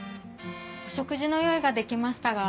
お食事の用意ができましたが。